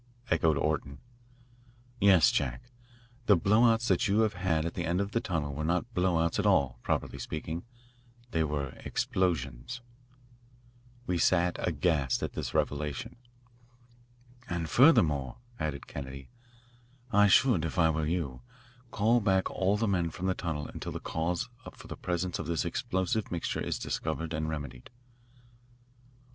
echoed Orton. "Yes, Jack, the blow outs that you have had at the end of the tunnel were not blow outs at all, properly speaking. They were explosions." We sat aghast at this revelation. "And, furthermore," added Kennedy, "I should, if I were you, call back all the men from the tunnel until the cause for the presence of this explosive mixture is discovered and remedied."